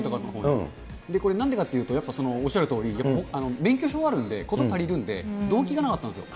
これなんでかというと、おっしゃるとおり、免許証があるので事足りるんで、動機がなかったんですよ。